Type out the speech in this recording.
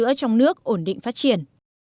các loại sữa trong nước ổn định phát triển